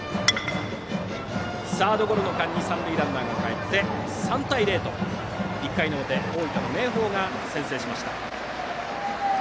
サードゴロの間に三塁ランナーがかえって３対０と１回の表大分の明豊が先制しました。